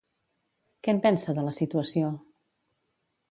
Què en pensa de la situació?